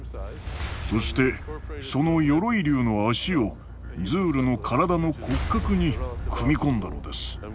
そしてその鎧竜の脚をズールの体の骨格に組み込んだのです。